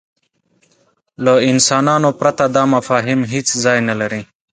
له انسانانو پرته دا مفاهیم هېڅ ځای نهلري.